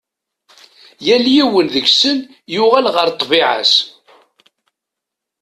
Yal yiwen deg-sen yuɣal ɣer ṭṭbiɛa-s.